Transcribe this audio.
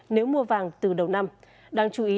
nếu mua vàng từ đầu năm đáng chú ý